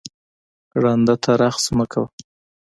ړانده ته رخس مه کوه